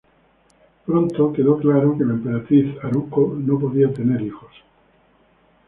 Pronto quedó claro que la Emperatriz Haruko no podía tener hijos.